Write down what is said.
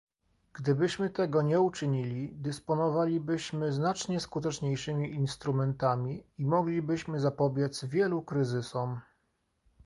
Gdybyśmy tego nie uczynili, dysponowalibyśmy znacznie skuteczniejszymi instrumentami i moglibyśmy zapobiec wielu kryzysom